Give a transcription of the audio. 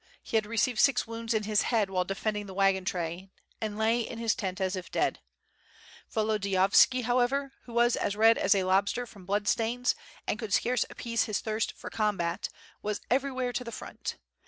He had received six wounds on his head while defending the wagon train and lay in his tent as if dead. Volodiyovski, however, who was as red as a lobster from bloodstains, and could scarce appease his thirst for combat, was ever}'where to the front.